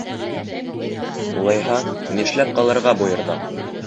Улайһа, нишләп ҡалырға бойорҙоң?